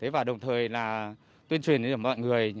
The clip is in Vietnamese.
và đồng thời là tuyên truyền cho mọi người